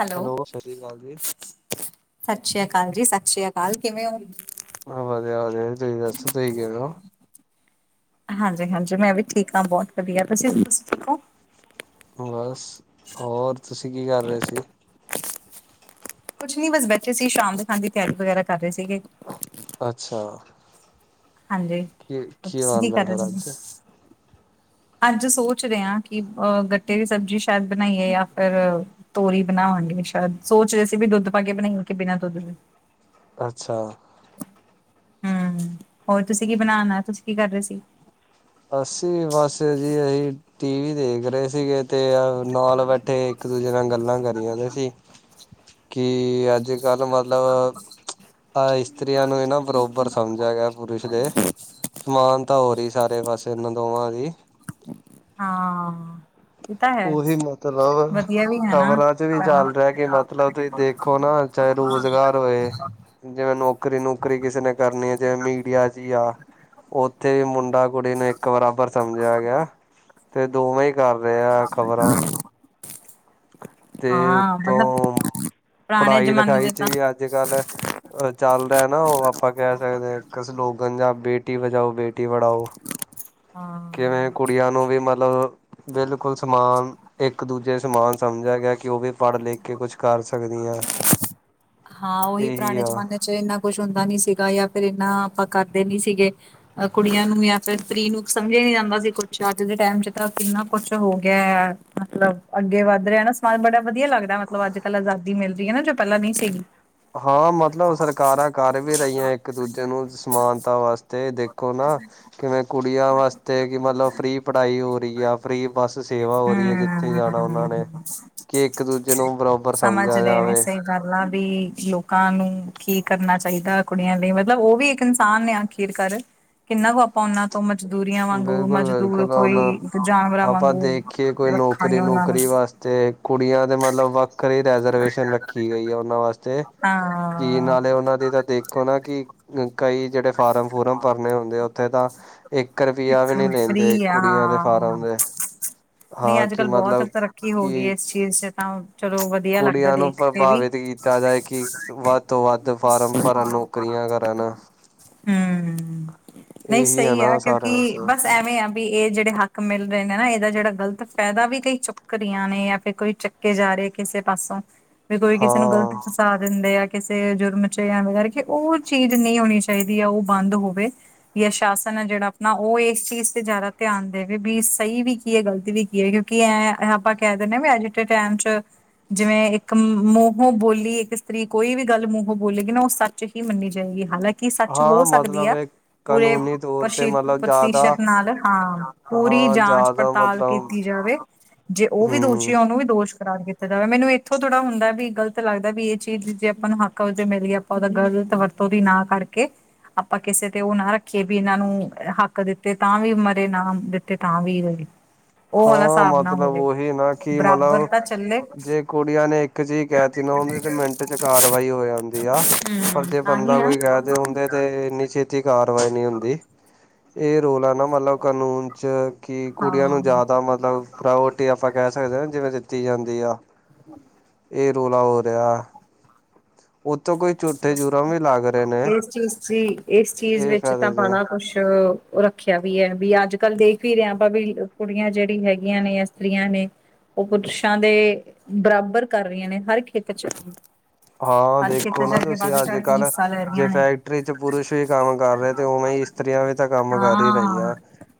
Hello, ਸਤਿ ਸ਼੍ਰੀ ਅਕਾਲ ਜੀ। ਸਤਿ ਸ਼੍ਰੀ ਅਕਾਲ ਜੀ ਸਤਿ ਸ੍ਰੀ ਅਕਾਲ, ਕਿਵੇਂ ਔ? ਹਾ ਵਧੀਆ-ਵਧੀਆ ਜੀ, ਤੁਸੀਂ ਦੱਸੋ ਤੁਸੀਂ ਕਿਵੇ ਔ? ਹਾਂਜੀ-ਹਾਂਜੀ ਮੈਂ ਵੀ ਠੀਕ ਆ ਬੋਤ ਵਧੀਆ, ਤੁਸੀ ਦੱਸੋ ਠੀਕ ਔ? ਬਸ, ਹੋਰ ਤੁਸੀਂ ਕੀ ਕਰ ਰੇ ਸੀ? ਕੁਛ ਨੀ ਬਸ ਬੈਠੇ ਸੀ ਸ਼ਾਮ ਦੇ ਖਾਣੇ ਦੀ ਤਿਆਰੀ ਵਗੈਰਾ ਕਰ ਰਹੇ ਸੀਗੇ। ਅੱਛਾ, ਹਾਂਜੀ, ਕੀ ਤੁਸੀਂ ਕੀ ਬਣਦਾ ਕਰ ਫਿਰ ਰਹੇ ਅੱਜ? ਸੀ। ਅੱਜ ਸੋਚ ਰੇ ਆ ਕਿ ਅ ਗੱਟੇ ਦੀ ਸਬਜ਼ੀ ਸ਼ਾਇਦ ਬਣਾਈਏ ਜਾਂ ਫਿਰ ਤੋਰੀ ਬਣਾਵਾਂਗੇ ਸ਼ਾਇਦ ਸੋਚ ਰੇ ਸੀ ਵੀ ਦੁੱਧ ਪਾ ਕੇ ਬਣਾਈਏ ਕੇ ਬਿਨਾਂ ਦੁੱਧ ਦੇ ਅੱਛਾ, ਹੂੰ, ਹੋਰ ਤੁਸੀ ਕੀ ਬਣਾਣਾ? ਤੁਸੀ ਕੀ ਕਰ ਰਹੇ ਸੀ? ਅਸੀ ਬਸ ਜੀ, ਅਸੀ ਟੀ ਵੀ ਦੇਖ ਰਹੇ ਸੀਗੇ। ਤੇ ਨਾਲ ਬੈਠੇ ਇੱਕ-ਦੂਜੇ ਨਾਲ ਗੱਲਾਂ ਕਰੀ ਜਾਂਦੇ ਸੀ, ਕਿ ਅੱਜ ਗੱਲ ਮਤਲਬ, ਆ ਇਸਤਰੀਆਂ ਨੂੰ ਵੀ ਨਾ ਬਰੋਬਰ ਸਮਝਿਆਂ ਜਾਏ। ਪੁਰਸ਼ ਦੇ, ਸਮਾਨਤਾ ਹੋ ਰੀ, ਸਾਰੇ ਪਾਸੇ ਇਹਨਾਂ ਦੋਵਾਂ ਦੀ। ਹਾਂ। ਇਹ ਤਾਂ ਹੈ। ਉਹੀ ਮਤਲਬ, ਵਧੀਆ ਵੀ ਹੈ ਨਾ ਖਬਰਾਂ 'ਚ ਵੀ ਪਹਿਲਾਂ ਚੱਲ ਰਿਆ ਕਿ, ਮਤਲਬ ਤੁਸੀ ਦੇਖੋ ਨਾ। ਚਾਏ ਰੋਜ਼ਗਾਰ ਹੋਏ। ਜਿਵੇਂ ਨੌਕਰੀ-ਨੁਕਰੀ ਕਿਸੇ ਨੇ ਕਰਨੀ ਐ ਜਿਵੇਂ ਮੀਡੀਆ ਚੀ ਆ। ਓਥੇ ਵੀ ਮੁੰਡਾ-ਕੁੜੀ ਨੂੰ ਇੱਕ ਬਰਾਬਰ ਸਮਝਿਆ ਗੇਆ, ਤੇ ਦੋਵੇਂ ਈ ਕਰ ਰਏ ਆ। ਖ਼ਬਰਾਂ ਤੇ ਹਾਂ ਮਤਲਬ ਉਤੋਂ, ਪੁਰਾਣੇ ਜਮਾਨੇ ਪੜਾਈ-ਲਖਾਈ ਚ ਤਾਂ ਵੀ ਅੱਜ-ਕੱਲ ਚੱਲ ਰਿਆ ਨਾ ਓ ਆਪਾਂ ਕੈ ਸਕਦੇ ਆਂ ਇੱਕ ਸਲੋਗਨ ਜਾ ਬੇਟੀ ਬਚਾਓ, ਬੇਟੀ ਪੜਾਓ। ਹਾਂ। ਕਿਵੇਂ ਕੁੜੀਆਂ ਨੂੰ ਵੀ ਮਤਲਬ ਬਿਲਕੁਲ ਸਮਾਨ, ਇੱਕ-ਦੂਜੇ ਸਮਾਨ ਸਮਝਿਆ ਗੇਆ ਕੇ ਓ ਵੀ ਪੜ ਲਿਖ ਕੇ ਕੁਛ ਕਰ ਸਕਦੀਆਂ ਆਂ, ਏਹੀ ਆ। ਜੇ ਏਨਾ ਕੁਛ ਹੁੰਦਾ ਨੀ ਸੀਗਾ ਜਾਂ ਫਿਰ ਇੰਨਾਂ ਆਪਾਂ ਕਰਦੇ ਨੀ ਸੀਗੇ। ਕੁੜੀਆਂ ਨੂੰ ਜਾਂ ਫਿਰ ਇਸਤਰੀ ਨੂੰ ਸਮਝਿਆ ਨੀ ਜਾਂਦਾ ਸੀ ਕੁਛ, ਅੱਜ ਦੇ ਟੈਮ ਚ ਤਾਂ ਕਿੰਨਾ ਕੁਛ ਹੋ ਗੇਆ ਆ। ਮਤਲਬ, ਅੱਗੇ ਵੱਦ ਰਿਆ ਨਾ ਸਮਾਜ ਬੜਾ। ਵਦੀਆ ਲੱਗਦਾ ਮਤਲਬ ਅੱਜ-ਕੱਲ ਆਜ਼ਾਦੀ ਮਿਲ ਰਈ ਐ ਨਾ, ਜੋ ਪੈਲਾਂ ਨਈ ਸੀਗੀ। ਹਾਂ ਮਤਲਬ ਸਰਕਾਰਾਂ ਕਰ ਵੀ ਰਈਆਂ ਇੱਕ-ਦੂਜੇ ਨੂੰ ਸਮਾਨਤਾ ਵਾਸ ਤੇ ਦੇਖੋ ਨਾ ਕਿਵੇਂ ਕੁੜੀਆਂ ਵਾਸਤੇ ਕੀ ਮਤਲਬ ਫਰੀ ਪੜ੍ਹਾਈ ਹੋ ਰਈ ਆ ਫਰੀ ਬੱਸ ਸੇਵਾ ਹੋ ਰਈ ਐ ਜਿੱ ਕਿਥੇ ਜਾਨਾ ਓਨਾਂ ਹਮ ਨੇ, ਕੇ ਇੱਕ-ਦੂਜੇ ਨੂੰ ਬਰੋਬਰ ਸਮਝਿਆ ਜਾਵੇ। ਕਰਨਾ ਵੀ, ਲੋਕਾਂ ਨੂੰ ਕੀ ਕਰਨਾ ਚਾਈਦਾ ਆ ਕੁੜੀਆਂ ਲਈ ਮਤਲਬ ਓ ਵੀ ਇੱਕ ਇਨਸਾਨ ਨੇ ਆਖ ਚੀਟ ਕਰ ਰਏ, ਕਿੰਨਾ ਕੁ ਆ ਆਪਾਂ ਓਨਾਂ ਤੋਂ ਮਜ਼ਦੂਰੀਆਂ ਵਾਂਗੂੰ ਮਜ਼ਦੂਰ ਬਿਲਕੁਲ-ਬਿਲਕੁਲ ਆਉਣਾ ਕੋਈ ਜਾਨਵਰਾਂ ਆਪਾਂ ਵਾਂਗੂੰ ਦੇਖੀਏ ਕੋਈ ਨੌਕਰੀ ਨੂਕਰੀ ਵਾਸਤੇ ਕੁੜੀਆਂ ਦੇ ਮਤਲਬ ਵ ਕਰੀ ਰੈਜਰਵੇਸ਼ਨ ਰੱਖੀ ਗਈ ਆ ਓਨਾਂ ਵਾਸਤੇ, ਕੀ ਹਾਂ ਨਾਲੇ ਓਨਾਂ ਦੀ ਤਾਂ ਦੇਖੋ ਨਾ ਕੀ ਕਈ ਜੇੜੇ ਫਾਰਮ ਫੂਰਮ ਭਰਨੇ ਹੁੰਦੇ ਆ ਓਥੇ ਤਾਂ ਇੱਕ ਇੱਕ ਰੁਪੀਆਂ ਵੀ ਨੀ ਲੈਂਦੇ, ਫ੍ਰਰੀ ਆ ਕੁੜੀਆਂ ਦੇ ਹਾਂ ਫਾਰਮ ਦੇ। ਹਾਂ ਕੀ ਮਤਲਬ ਕੀ ਚੀਜ ਤਾਂ ਚਲੋ ਵਦੀ ਕੁੜੀਆਂ ਨੂੰ ਪ੍ਰਭਾਵਿਤ ਕੀਤਾ ਜਾਏ ਕੀ ਵੱਦ ਤੋਂ ਵੱਦ ਫਾਰਮ ਭਰਨ ਨੂੰ। ਕਰੀਆਂ ਕਰਨ ਹੂੰ, ਨਈਂ ਇਹੀ ਹੈ ਸਈ ਆ ਨਾ ਕੇ ਸਾਰੇ ਪਾਸੇ ਐਵੇਂ ਆ ਵੀ ਏ ਜੇੜੇ ਹੱਕ ਮਿਲ ਰਏ ਨੇ ਨਾ ਏਦਾ ਜੇੜਾ ਗ਼ਲਤ ਫੈਦਾ ਵੀ ਕਈ ਚੁੱਕ ਰਈਆਂ ਨੇ, ਜਾਂ ਫਿਰ ਕੋਈ ਚ ਕੇ ਜਾ ਰਏ ਆ ਕਿਸੇ ਪਾਸੋਂ, ਵੀ ਕੋਈ ਕਿਸੇ ਨੂੰ ਗ਼ਲਤ ਹਾਂ ਪਾ ਦਿੰਦੇ ਆ ਕਿਸੇ ਜੁਰਮ ਚ ਜਾਂ ਵਗੈਰਾ ਓ ਚੀਜ਼ ਨਈ ਹੋਨੀ ਚਾਈਦੀ ਆ, ਓ ਬੰਦ ਹੋਵੇ। ਜਾਂ ਸ਼ਾਸਨ ਐ ਜੇੜਾ ਨਾ ਓ ਏਸ ਚੀਜ਼ ਤੇ ਜਾਦਾ ਧਿਆਨ ਦੇਵੇ ਵੀ ਸਈ ਵੀ ਕੀ ਐ ਗ਼ਲਤੀ ਵੀ ਕੀ ਐ ਕਿਓਂਕਿ ਐਂ ਆਪਾਂ ਕੈ ਦਿੰਨੇ ਆਂ ਵੀ ਅੱਜ ਦੇ ਟੈਮ ਚ ਜਿਵੇਂ ਇੱਕ ਮੂੰਹੋਂ ਬੋਲੀ ਇੱਕ ਇਸਤਰੀ ਕੋਈ ਵੀ ਗੱਲ ਮੂੰਹੋਂ ਬੋਲੇਗੀ ਨਾ ਓ ਸੱ ਸੱਚ ਹੀ ਮੰਨੀ ਜਾਏਗੀ ਹਾਲਾਂਕੀ ਸੱਚ ਹੋ ਹਾਂ ਸਕਦੀ ਮਤਲਬ ਐ, ਇਹ ਪੂਰੇ ਕਾਨੂੰਨੀ ਪਰ ਤੌਰ ਤੇ ਮਤਲਬ ਜ਼ਿਆਦਾ ਪ੍ਰਤੀਸ਼ਤ ਨਾਲ ਹਾਂ, ਪੂਰੀ ਹਾਂ ਜ਼ਿਆਦਾ ਜਾਂਚ-ਪੜਤਾਲ ਮਤਲਬ ਕੀਤੀ ਜਾਵੇ। ਜੇ ਓ ਵੀ ਹੂੰ ਦੋਸ਼ੀ ਹੋਨ ਵੀ ਦੋਸ਼ ਕਰਾਰ ਕੀਤਾ ਜਾਵੇ, ਮੈਨੂੰ ਏਥੋ ਥੋੜਾ ਹੁੰਦਾ ਵੀ ਗਲਤ ਲੱਗਦਾ ਵੀ ਏ ਚੀਜ਼ ਜੇ ਆਪਾਂ ਨੂੰ ਹੱਥ ਕੱਲ ਜੇ ਮਿਲੀਏ ਆਪਾਂ ਓਦਾ ਗਲਤ ਵਰਤੋਂ ਓਦੀ ਨਾ ਕਰਕੇ ਆਪਾਂ ਕਿਸੇ ਤੇ ਓ ਨਾ ਰੱਖੀਏ ਵੀ ਏਨਾਂ ਨੂੰ ਹੱਕ ਦਿੱਤੇ ਤਾਂ ਵੀ ਮਰੇ ਨਾ ਦਿੱਤੇ ਤਾਂ ਵੀ ਮਰੇ ਹਾਂ ਮਤਲਬ ਓਹੀ ਨਾ ਕੀ ਬਰਾਬਰ ਮਤਲਬ, ਤਾਂ ਚੱਲੇ ਜੇ ਕੁੜੀਆਂ ਨੇ ਇਕ ਚੀ ਕੈ ਤੀ ਨਾ ਓਦੇ ਤੇ ਮਿੰਟ ਚ ਕਾਰਵਾਈ ਹੋ ਜਾਂਦੀ ਆ। ਪਰ ਜੇ ਤਾਂ ਹੀ ਬੰਦਾ ਨਾ ਕੋਈ ਕੈਦੇ ਓਂਦੇ ਤੇ ਏਂਨੀ ਛੇ ਤੀ ਕਾਰਵਾਈ ਨਈ ਹੁੰਦੀ, ਏ ਰੋਲਾ ਨਾ ਮਤਲਬ ਕਾਨੂੰਨ ਚ ਕੀ ਕੁੜੀਆਂ ਨੂੰ ਹਾਂ ਜ਼ਿਆਦਾ ਮਤਲਬ ਪ੍ਰੀਓਰਟੀ ਆਪਾਂ ਕੈ ਸਕਦੇ ਆ ਜਿਵੇਂ ਦਿੱਤੀ ਜਾਂਦੀ ਆ ਹੂੰ ਏ ਰੌਲਾ ਹੋ ਰੇਆ। ਜੁਰਮ ਵੀ ਲੱਗ ਰਹੇ ਨੇ ਏਸ ਚੀਜ਼ ਦੀ ਏਸ ਚੀਜ਼ ਇਹ ਵਿੱਚ ਤਾਂ ਫਾਇਦੇ ਦੇ ਭੈਣਾ ਕੁੱਛ ਓ ਰੱਖੇਆ ਵੀ ਏ, ਵੀ ਅੱਜ- ਕੱਲ੍ਹ ਦੇਖ ਈ ਰਏ ਆਪਾਂ ਵੀ ਕੁੜੀਆਂ ਜੇੜੀ ਹੈਗੀਆਂ ਨੇ ਇਸਤਰੀਆਂ ਨੇ ਓ ਪੁਰਸ਼ਾਂ ਦੇ, ਬਰਾਬਰ ਕਰ ਰਈਆਂ ਨੇ ਹਰ ਹਿੱਤ ਚ ਓਹ। ਹਾਂ ਦੇਖੋ ਨਾ ਤੁਸੀ ਚੜ ਕੇ ਅੱਜ-ਕੱਲ ਹਿੱਸਾ ਲੈ ਜੇ ਰਹੀਆਂ ਨੇ ਫੈਕਟਰੀ ਚ ਪੁਰਸ਼ ਵੀ ਕੰਮ ਕਰ ਰਏ ਤੇ ਉਵੇਂ ਈ ਇਸਤਰੀਆਂ ਵੀ ਤਾਂ ਕੰਮ ਕਰ ਈ ਹਾਂ ਰਈਆਂ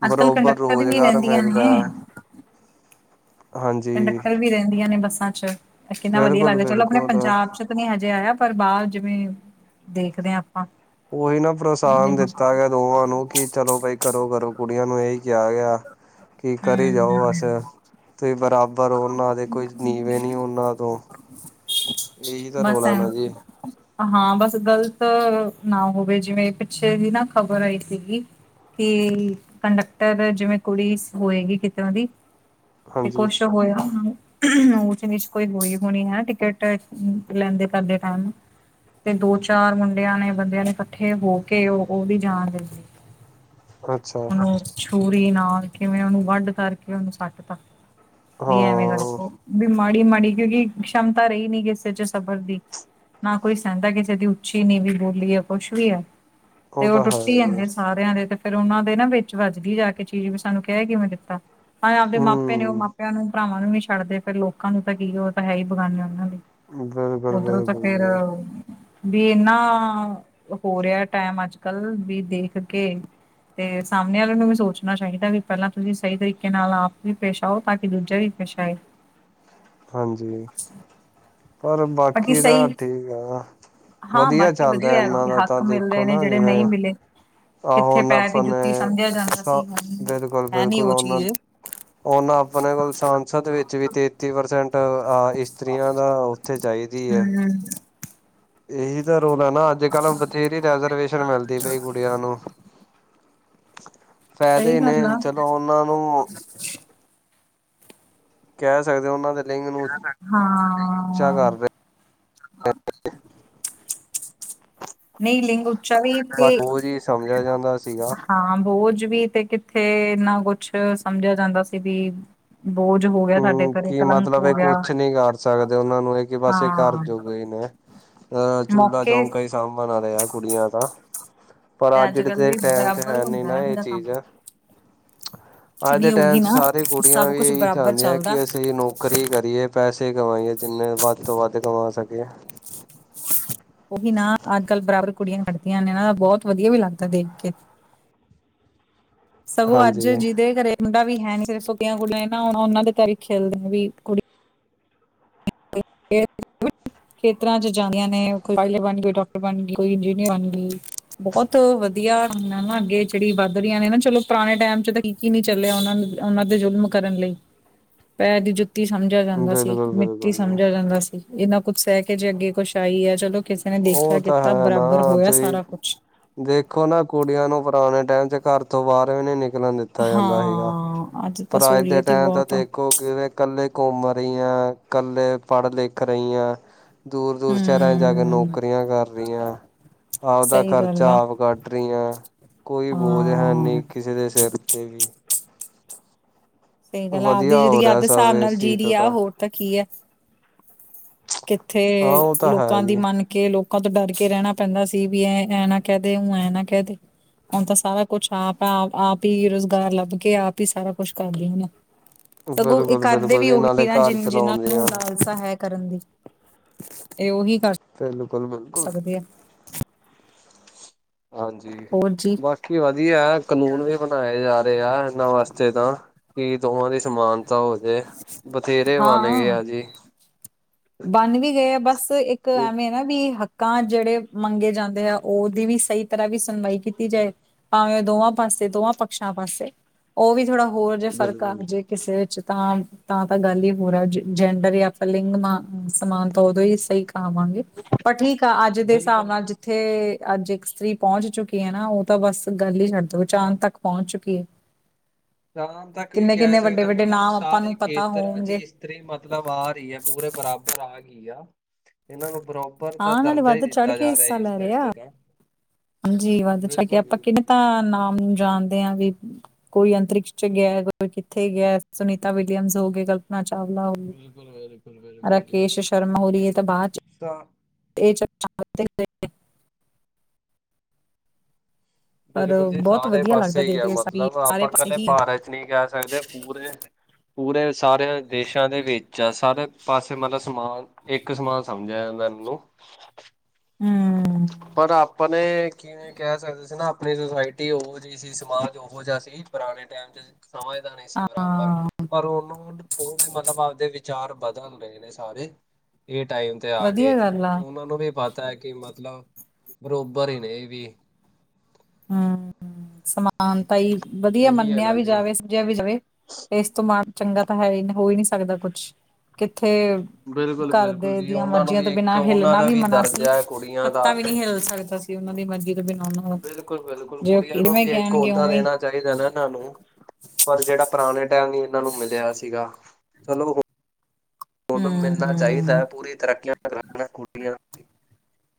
ਅੱਜ ਕੱਲ੍ਹ ਬਰੋਬਰ ਕੰਡਕਟਰ ਵੀ ਰੋਜ਼ਗਾਰ ਰਹਿੰਦੀਆਂ ਮਿਲਦਾ। ਨੇ ਹਾਂਜੀ ਕੰਡਕਟਰ ਵੀ ਰੇਂਦੀਆਂ ਨੇ ਬੱਸਾਂ ਚ, ਕਿੰਨਾ ਵੱਧੀਆ ਬਿਲਕੁਲ ਲੱਗਦਾ ਚਲੋ ਆਪਣੇ ਬਿਲਕੁਲ ਪੰਜਾਬ ਚ ਨਈ ਹਜੇ ਆਏਆ ਪਰ ਬਾਰ ਜਿਵੇਂ, ਦੇਖਦੇ ਆਪਾਂ। ਉਹੀ ਨਾ ਪ੍ਰੋਤਸਾਨ ਹਮ ਦਿੱਤਾ ਗੇਆ ਦੋਵਾਂ ਨੂੰ ਕਿ ਚਲੋ ਬਈ ਕਰੋ- ਕਰੋ ਕੁੜੀਆਂ ਨੂੰ ਏਹੀ ਕੇਆ ਗੇਆ। ਤੇ ਕਰੀ ਜਾਓ ਐਸੇ, ਹਮ ਤੇ ਬਰਾਬਰ ਪਰ ਓਨਾਂ ਦੇ ਕੋਈ ਨੀਵੇਂ ਨੀ ਓਨਾਂ ਤੋਂ, ਏਹੀ ਤਾਂ ਬਸ ਰੋਲਾ ਨਾ ਐ ਜੀ। ਹਾਂ ਬਸ ਗਲਤ ਨਾ ਹੋਵੇ ਜਿਵੇਂ ਪਿੱਛੇ ਵੀ ਨਾ ਖ਼ਬਰ ਆਈ ਸੀਗੀ। ਕਿ ਕੰਡਕਟਰ ਜਿਵੇਂ ਕੁੜੀ ਹੋਏਗੀ ਕਿਤੋਂ ਦੀ ਤੇ ਹਾਂਜੀ ਕੋਛ ਹੋਏਆ ਹੁੰਦਾ ਹੁਹੁ, ਉੱਚ -ਨੀਚ ਕੋਈ ਹੋਈ ਹੋਣੀ ਨਾ ਟਿਕਟ ਲੈਂਦੇ ਕਰਦੇ ਟੈਮ ਤੇ ਦੋ ਚਾਰ ਮੁੰਡੇਆਂ ਨੇ ਬੰਦੇਆਂ ਨੇ ਇਕੱਠੇ ਹੋ ਕੇ ਓ ਓਦੀ ਜਾਨ ਲੈ ਲੀ। [inaudible] ਅੱਛਾ। ਔਰ ਛੂਰੀ ਨਾਲ ਕਿਵੇਂ ਓਨੂੰ ਵੱਡ ਕਰ ਕੇ ਓਨੂੰ ਸੱਟ ਤਾ। ਵੀ ਏਵੇਂ ਹਾਂ ਦੱਸੋ, ਵੀ ਮਾੜੀ -ਮਾੜੀ ਕਿਉਂਕਿ ਸ਼ਮਤਾ ਰਈ ਨੀ ਕਿਸੇ ਚ ਸਬਰ ਦੀ। ਨਾ ਕੋਈ ਸੇਂਦਾ ਕਿਸੇ ਦੀ ਉੱਚੀ ਨੀਵੀ ਬੋਲੀਏ ਕੁੱਛ ਵੀ ਐ, ਤੇ ਉਹ ਓ ਤਾਂ ਟੁੱਟੀ ਹੈ ਜੀ ਜਾਂਦੇ ਸਾਰੇ ਆਦੇ, ਤੇ ਫੇਰ ਓਨਾਂ ਦੇ ਨਾ ਵਿੱਚ ਵੱਜਦੀ ਜਾ ਕੇ ਚੀਜ਼ ਵੀ ਸਾਨੂੰ ਕੈ ਕਿਵੇਂ ਦਿੱਤਾ। ਹਾਂ ਆਪਦੇ ਮਾਪੇ ਨੇ ਓ ਹੂੰ ਮਾਪੇਆਂ ਨੂੰ ਭਰਾਵਾਂ ਨੂੰ ਨੀ ਛੱਡਦੇ ਫਿਰ ਲੋਕਾਂ ਨੂੰ ਤਾਂ ਕੀ ਓ ਤਾਂ ਹੈ ਈ ਬੇਗਾਨੇ ਓਨਾਂ ਲਈ। ਓਧਰੋਂ ਤਾਂ ਬਿਲਕੁਲ-ਬਿਲਕੁਲ ਫੇਰ ਜੀ ਵੀ ਏਨਾ ਹੋ ਰੇਆ ਟੈਮ ਅੱਜ-ਕੱਲ, ਵੀ ਦੇਖ ਕੇ ਤੇ ਸਾਮਣੇ ਵਾਲੇਆਂ ਨੂੰ ਵੀ ਸੋਚਣਾ ਚਾਈਦਾ ਵੀ ਪੇਲਾਂ ਤੁਸੀਂ ਸਈ ਤਰੀਕੇ ਨਾਲ ਆਪ ਵੀ ਪੇਸ਼ ਆਓ। ਤਾਂ ਕਿ ਦੂਜਾ ਵੀ ਖੂਸ਼ ਆਏ। ਹਾਂਜੀ, ਪਰ ਬਾਕੀ ਤਾਂ ਠੀਕ ਆ ਹਾਂ ਵੱਧੀਆ ਬਾਕੀ ਚੱਲਦਾ ਵਧੀਆ ਏਨਾਂ ਦਾ ਤਾਂ ਹੱਕ ਮਿਲ ਦੇਖੋ ਰਹੇ ਨੇ ਨਾ ਜਿਹੜੇ ਨਹੀਂ ਜਿਵੇਂ ਮਿਲੇ ਆਹੋ ਕਿੱਥੇ ਨਾ ਪੈਰ ਦੀ ਜੁੱਤੀ ਆਪਣੇ, ਸਮਝਿਆ ਜਾਂਦਾ ਸ, ਸੀ ਹੁਣ ਹੈ ਨੀ ਬਿਲਕੁਲ-ਬਿਲਕੁਲ ਉਹ ਓਨਾ ਚੀਜ਼ ਓਨਾਂ ਆਪਣੇ ਕੋਲ ਸੰਸਦ ਵਿੱਚ ਵੀ ਤੇ ਤੀਹ ਪ੍ਰਸੈਂਟ ਆ ਇਸਤਰੀਆਂ ਨਾ ਓੱਥੇ ਚਾਈਦੀ ਆ। ਹਾਂਜੀ। ਏਹੀ ਤੇ ਰੋਲਾ ਨਾ ਅੱਜ-ਕੱਲ੍ਹ ਬਥੇਰੀ ਰੈਜਰਵੇਸ਼ਨ ਮਿਲਦੀ ਪਈ ਕੁੜੀਆਂ ਨੂੰ ਸਹੀ ਫੈਦੇ ਨੇ ਗੱਲ ਆ ਚਲੋ ਓਨਾਂ ਨੂੰ ਕੈ ਸਕਦੇ ਓਨਾਂ ਦੇ ਲਿੰਗ ਨੂੰ ਉੱਚਾ ਕਰ ਰਹੇ ਹਾਂ ਨਈ ਲਿੰਗ ਉਚਾ ਵੀ ਤੇ ਬਟ ਓ ਜੀ ਸਮਝੇਆ ਜਾਂਦਾ ਸੀਗਾ, ਹਾਂ ਬੋਝ ਵੀ ਤੇ ਕਿੱਥੇ ਇੰਨਾ ਕੁਛ ਸਮਝਿਆ ਜਾਂਦਾ ਸੀ ਵੀ ਬੋਝ ਹੋ ਗਿਆ ਸਾਡੇ ਹੂੰ ਘਰੇ ਕੀ ਕਲੰਕ ਮਤਲਬ ਹੋ ਏ ਗਿਆ ਕੁਛ ਨੀ ਕਰ ਸਕਦੇ ਓਨਾਂ ਨੂੰ ਏ ਕਿ ਬਸ ਏ ਘਰ ਹਾਂ ਜੋ ਕੋਈ ਨੇ ਅ ਮੌਕੇ ਚੂਲਾ-ਚੌਂਕਾਂ ਈ ਤੇ ਸਾਂਬਨ ਆਲੇਆਂ ਕੁੜੀਆਂ ਤਾਂ, ਪਰ ਅੱਜ ਕੱਲ ਵੀ ਦੇ ਟੈਮ ਚ ਬਰਾਬਰ ਹੈ ਨੀ ਹੁੰਦਾ ਨਾ ਇਹੋ ਏ ਜਿਹਾ ਕੰਮ ਚੀਜ਼ ਅੱਜ ਦੇ ਨਹੀਂ ਟੈਮ ਉਹੀ ਚ ਨਾ ਸਾਰੀ ਕੁੜੀਆਂ ਸਭ ਵੀ ਕੁਛ ਏਹੀ ਬਰਾਬਰ ਚਾਂਦੀਆਂ ਚੱਲਦਾ ਕਿ ਅਸੀਂ ਨੌਕ ਨੌਕਰੀ ਕਰੀਏ ਪੈਸੇ ਕਮਾਈਏ ਜਿੰਨੇ ਵੱਦ ਤੋਂ ਵੱਦ ਕਮਾ ਸਕੀਏ। ਓਹੀ ਨਾ ਅੱਜ-ਕੱਲ ਬਰਾਬਰ ਕੁੜੀਆਂ ਖੜਦੀਆਂ ਨੇ ਨਾ ਬੋਤ ਵਦੀਆ ਵੀ ਲੱਗਦਾ ਦੇਖ ਕੇ। ਸਗੋਂ ਅੱਜ ਹਾਂਜੀ ਜੀਦੇ ਘਰੇ ਮੁੰਡਾ ਵੀ ਹੈ ਨੀ ਸਿਰਫ ਸੁੱਕੀਆਂ ਗੁਡੀਆ ਈ ਨਾਂ ਹੋਨ ਓਨਾਂ ਦੇ ਘਰ ਈ ਖੇਲਦੇ ਨੇ ਵੀ ਕੁੜੀ [inaudible] ਖੇਤਰਾਂ ਚ ਜਾਂਦੀਆਂ ਨੇ ਕੋਈ ਪਾਇਲਟ ਬਨ ਗਈ, ਕੋਈ ਡਾਕਟਰ ਬਨ ਗਈ, ਕੋਈ ਇੰਜੀਨੀਅਰ ਬਨ ਗਈ। ਬੋਤ ਵਦੀਆ ਨਾ ਅੱਗੇ ਜੇੜੀ ਵੱਦ ਰਈਆਂ ਨੇ ਨਾ ਚਲੋ ਪੁਰਾਨੇ ਟਾਈਮ ਚ ਤਾਂ ਕੀ ਨੀ ਚੱਲੇਆ ਓਨਾਂ ਨੂੰ ਓਨਾਂ ਤੇ ਜ਼ੁਲਮ ਕਰਨ ਲਈ ਪੈਰ ਦੀ ਜੁੱਤੀ ਮਿੱਟੀ ਸਮਜੇਆ ਜਾਂਦਾ ਸੀ, ਬਿਲਕੁਲ ਮਿੱਟੀ ਬਿਲਕੁਲ ਜੀ ਸਮਜੇਆ ਜਾਂਦਾ ਸੀ, ਏਨਾ ਕੁੱਝ ਸੈ ਕੇ ਜੇ ਅੱਗੇ ਕੁਸ਼ ਆਈ ਐ ਚਲੋ ਕਿਸੇ ਨੇ ਦੇਖੇਆ ਉਹ ਤਾਂ ਕੀਤਾ ਹੈ ਬਰਾਬਰ ਨਾ ਹੋਏਆ ਤੁਸੀਂ ਸਾਰਾ ਕੁਛ ਦੇਖੋ ਨਾ ਕੁੜੀਆਂ ਨੂੰ ਪੁਰਾਨੇ ਟੈਮ ਚ ਘਰ ਤੋਂ ਬਾਰ ਵੀ ਨੀ ਨਿਕਲਨ ਦਿੱ ਤਾ ਜਾਂਦਾ ਸੀਗਾ, ਹਾਂ ਤਾਂ ਪਰ ਅੱਜ ਦੇ ਸਹੂਲੀਅਤ ਹੀ ਟੈਮ ਤਾਂ ਬਹੁਤ ਆ ਦੇਖੋ ਕਿਵੇਂ ਕੱਲੇ ਘੁੰਮ ਰਈ ਆਂ, ਕੱਲੇ ਪੜ-ਲਿਖ ਰਈ ਆਂ। ਦੂਰ-ਦੂਰ ਸ਼ੈਰਾਂ ਚ ਜਾ ਕੇ ਹੂੰ। ਨੌਕਰੀਆਂ ਕਰ ਰਈਆਂ ਆਵਦਾ ਸਹੀ ਗੱਲ ਖਰਚਾ ਆ ਆਪ ਕੱਢ ਰਈਆਂ ਕੋਈ ਬੋਝ ਹੈ ਨੀ ਹਾਂ। ਕਿਸੇ ਦੇ ਸਿਰ ਤੇ ਵੀ। ਸਈ ਗੱਲ ਆ ਆਵਦੀ ਵਧੀਆ ਹੋ ਜ਼ਿੰਦਗੀ ਰਿਹਾ ਆਵਦੇ ਸਭ ਹਿਸਾਬ ਨਾਲ ਇਸ ਜੀ ਚੀਜ਼ ਰੀ ਤੋਂ ਐ ਹੋਰ ਤਾਂ ਕੀ ਐ। ਕਿੱਥੇ ਹਾਂ ਉਹ ਤਾਂ ਹੈ ਲੋਕਾਂ ਦੀ ਜੀ ਮੰਨ ਕੇ ਲੋਕਾਂ ਤੋਂ ਡਰ ਕੇ ਰੈਣਾ ਪੈਂਦਾ ਸੀ ਵੀ ਐ ਐਂ ਨਾ ਕੈ ਦੇ ਓ ਐਂ ਨਾ ਕੈ ਦੇ। ਹੁਨ ਤਾਂ ਸਾਰਾ ਕੁਛ ਆਪ ਆ ਆਪ ਈ ਰੁਜ਼ਗਾਰ ਲੱਭ ਕੇ ਆਪ ਈ ਸਾਰਾ ਕੁਛ ਕਰਦੀ ਹੁਨ। ਸਗੋਂ ਏ ਬਿਲਕੁਲ ਕਰਦੇ ਬਿਲਕੁਲ ਵੀ ਜੀ ਨਾਲੇ ਓਹੀ ਨਾ ਘਰ ਜਿ-ਜਿੰਨਾਂ ਨੂੰ ਚਲਾਉਂਦੀਆਂ ਲਾਲਸਾ ਹੈ ਕਰਨ ਦੀ। ਏ ਓਹੀ ਕਰ ਬਿਲਕੁਲ-ਬਿਲਕੁਲ। ਸਕਦੇ ਆ ਹਾਂਜੀ, ਹੋਰ ਜੀ ਬਸ। ਕੀ ਵਦੀਆ ਕਾਨੂੰਨ ਵੀ ਬਨਾਏ ਜਾ ਰਏ ਆ ਏਨਾਂ ਵਾਸਤੇ ਤਾਂ ਕਿ ਦੋਵਾਂ ਦੀ ਸਮਾਨ ਤਾ ਹੋਜੇ ਬਥੇਰੇ ਬਨ ਗਏ ਆ ਜੀ। ਬਨ ਵੀ ਗਏ ਆ ਬਸ ਇੱਕ ਐਵੇਂ ਵੀ ਹੱਕਾਂ ਜੇੜੇ ਮੰਗੇ ਜਾਂਦੇ ਆ ਓਦੀ ਵੀ ਸਈ ਤਰਾਂ ਵੀ ਸੁਨਵਾਈ ਕੀਤੀ ਜਾਏ। ਭਾਵੇਂ ਓ ਦੋਵਾਂ ਪਾਸੇ ਦੋਆਂ ਪਕਸ਼ਾਂ ਪਾਸੇ ਓ ਵੀ ਥੋੜਾ ਹੋਰ ਜੇ ਫਰਕ ਆ ਬਿਲਕੁਲ ਜੇ ਕਿਸੇ ਵਿੱਚ ਤਾਂ, ਤਾਂ-ਤਾਂ ਗੱਲ ਈ ਹੋਰ ਐ ਜੇਂਡਰ ਯਾ ਪਲਿੰਗ ਨਾ ਸਮਾਨ ਤਾਂ ਓਦੋਂ ਈ ਸਈ ਕਾਹਾਵਾਂਗੇ, ਪਰ ਠੀਕ ਆ ਅੱਜ ਦੇ ਹਿਸਾਬ ਬਿਲਕੁਲ ਨਾਲ ਜਿ ਜਿੱਥੇ ਅੱਜ ਇੱਕ ਇਸਤਰੀ ਪੌਂਚ ਚੁੱਕੀ ਐ ਨਾ ਓ ਤਾਂ ਬਸ ਗੱਲ ਈ ਛੱਡ ਦੋ ਚਾਂਦ ਤੱਕ ਪੌਂਚ ਚੁੱਕੀ ਐ। [inaudible] ਚਾਂਦ ਤੱਕ ਵੀ ਕੈ ਸਕਦੇ ਆਂ ਮਤਲਬ ਆਪਾਂ ਸਾਰੇ ਨੂੰ ਪਤਾ ਖੇਤਰਾਂ ਚ ਹੋਣਗੇ ਈ ਤਰੀ ਮਤਲਬ ਆ ਰਈ ਆ ਪੂਰੇ ਬਰਾਬਰ ਆ ਗੀ ਆ, ਏਨਾਂ ਨੂੰ ਬਰਾ ਬਰ ਦਾ ਆਉਣ ਵਾਲੇ ਦਰਜਾ ਈ ਵੱਧ ਚੜ੍ਹ ਦਿੱਤਾ ਕੇ ਜਾ ਰਿਆ ਹਿੱਸਾ ਏਸ ਲੈ ਰਹੇ ਟੈਮ ਆ ਤੇ ਤਾਂ। ਹਾਂਜੀ ਵੱਦ ਚੁਕੇਆ ਬਿਲਕੁਲ ਆਪਾਂ ਕਿੰਨੇ ਬਿਲਕੁਲ ਜੀ ਤਾਂ ਨਾਮ ਜਾਨ ਦੇ ਆ ਵੀ ਕੋਈ ਅੰਤਰਿਕਸ਼ ਚ ਗਿਐ, ਕੋਈ ਕਿੱਥੇ ਗਿਐ ਸੁਨੀਤਾ ਵਿਲੀਅਮਸ ਹੋ ਗਏ, ਕਲ ਪਨਾ ਚਾਵਲਾ ਹੋ ਗਈ, ਬਿਲਕੁਲ ਬਿਲਕੁਲ ਬਿਲਕੁਲ ਜੀ ਰਾਕੇਸ਼ ਸ਼ਰਮਾ ਹੋ ਰਈ ਏ ਤਾਂ ਬਾਚ ਤਾਂ ਏ ਚਰ ਚਾਂਦ ਤੇ ਗਏ। ਪਰ ਬਿਲਕੁਲ ਜੀ ਬਹੁਤ ਸਾਰੇ ਵਧੀਆ ਲੱਗਦਾ ਪਾਸੇ ਈ ਦੇਖ ਆ ਕੇ ਮਤਲਬ ਸਾਰੇ ਆਪਾਂ ਪਾਸੇ ਕੱਲੇ ਹੀ ਹੈ ਭਾਰਤ ਚ ਨਹੀਂ ਕਹਿ ਸਕਦੇ, ਪੂਰੇ-ਪੂਰੇ ਸਾਰੇ ਦੇਸ਼ਾਂ ਦੇ ਵਿੱਚ ਆ ਸਾਰੇ ਪਾਸੇ ਮਤਲਬ ਸਮਾਨ ਇੱਕ ਸਮਾਨ ਸਮਝਿਆ ਜਾਂਦਾ ਇਹਨੂੰ ਹੂੰ ਪਰ ਆਪਾਂ ਤੇ ਕੀ ਕਹਿ ਸਕਦੇ ਸੀ ਨਾ ਆਪਣੀ ਸੁਸਾਇਟੀ ਉਹ ਜਿਹੀ ਸੀ ਸਮਾਜ ਉਹੋ ਜਿਹਾ ਸੀ ਪੁਰਾਣੇ ਟਾਈਮ ਚ। ਸਮਝਦਾ ਨਹੀਂ ਸੀ ਬਰਾਬਰ। ਪਰ ਉਹਨੂੰ ਬਹੁਦੇ ਮਤਲਬ ਆਪਦੇ ਵਿਚਾਰ ਬਦਲ ਰਹੇ ਨੇ ਸਾਰੇ ਇਹ ਟਾਈਮ ਤੇ ਆ ਵਧੀਆ ਕੇ ਗੱਲ ਆ ਉਹਨਾਂ ਨੂੰ ਵੀ ਪਤਾ ਹੈ ਕਿ ਮਤਲਬ ਬਰੋਬਰ ਹੀ ਨੇ ਇਹ ਵੀ। ਹੂੰ ਸਮਾਨਤਾਂ ਹੀ ਵਧੀਆ ਇਹੀ ਹੈ ਮੰਨਿਆ ਨਾ ਵੀ ਜੀ ਜਾਵੇ। ਵੀ ਜਾਵੇ। ਇਸਤੋਂ ਮਾਣ ਚੰਗਾ ਤਾਂ ਹੈ ਹੋ ਨਹੀਂ ਸਕਦਾ ਕੁਛ। ਕਿੱਥੇ? ਘਰਦੇ ਬਿਲਕੁਲ-ਬਿਲਕੁਲ ਜੀ ਦੀਆਂ ਉਹਨਾਂ ਨੂੰ ਮਰਜ਼ੀਆਂ ਵੀ ਤੋਂ ਇੱਕ ਬਿਨਾਂ ਉਹਨਾਂ ਹਿੱਲਣਾ ਦਾ ਵੀ ਮਨਾ ਸੀ ਦਰਜਾ ਹੈ ਕੁੜੀਆਂ ਦਾ। ਪੱਤਾ ਵੀ ਨਹੀ ਹਿੱਲ ਸਕਦਾ ਸੀ। ਤੇ ਉਹਨਾਂ ਦੀ ਮਰਜ਼ੀ ਤੋਂ ਬਿਨਾਂ ਉਹਨਾਂ ਨੂੰ ਬਿਲਕੁਲ ਕੁੜੀਆਂ ਨੂੰ ਵੀ ਇੱਕ ਉਹਦਾ ਦੇਣਾ ਚਾਹੀਦਾ ਚਾਹੀਦਾ ਨਾ ਇਹਨਾਂ ਨੂੰ ਪਰ ਜਿਹੜਾ ਪੁਰਾਣੇ ਟਾਈਮ ਹੀ ਇਹਨਾਂ ਨੂੰ ਮਿਲਿਆ ਸੀਗਾ। ਚਲੋ, ਹੁਣ ਮਿਲਣਾ ਚਾਹੀਦਾ ਏ ਹੂੰ ਪੂਰੀ ਤਰੱਕੀਆਂ ਕਰਣ‌ ਕੁੜੀਆਂ। ੋ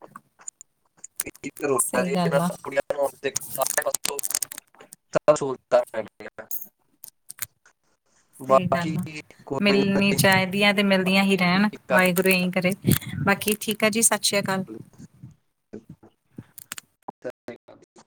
ਸਹੀ ਗੱਲ ਆ [unintelligible] ਸ [unintelligible] ਬਾਕੀ ਚਾਹੀਦੀਆ ਤੇ ਮਿਲਦੀਆਂ ਹੀ ਰਹਿਣ ਵਾਹਿਗੁਰੂ ਇਹੀ ਕਰੇ ਬਾਕੀ ਠੀਕ ਏ ਜੀ। ਸਤਿ ਸ੍ਰੀ ਅਕਾਲ ਸ [unintelligible]